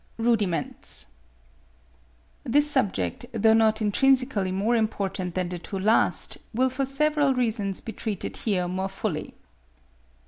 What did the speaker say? RUDIMENTS. This subject, though not intrinsically more important than the two last, will for several reasons be treated here more fully.